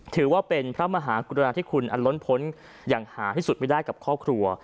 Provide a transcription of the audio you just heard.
ถือว่าเป็นพระมหากรุณาธิคุณอันล้นพ้นอย่างหาที่สุดไม่ได้กับครอบครัว